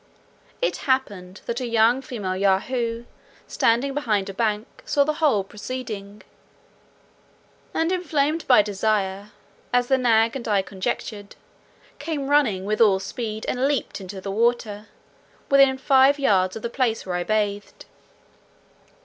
It happened that a young female Yahoo, standing behind a bank, saw the whole proceeding, and inflamed by desire, as the nag and I conjectured, came running with all speed, and leaped into the water, within five yards of the place where I bathed.